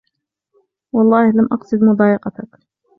و الله لم اقصد مضايقتك